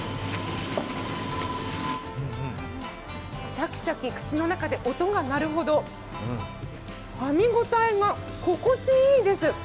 シャキシャキ、口の中で音が鳴るほどかみ応えが心地いいんです。